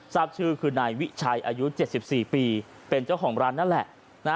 ทราบชื่อคือนายวิชัยอายุ๗๔ปีเป็นเจ้าของร้านนั่นแหละ